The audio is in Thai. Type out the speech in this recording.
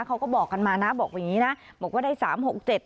เขาก็บอกกันมานะบอกอย่างงี้นะบอกว่าได้สามหกเจ็ด